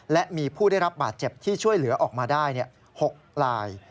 และมีผู้ได้รับบาดเจ็บที่ช่วยเหลือออกมาได้๖ลาย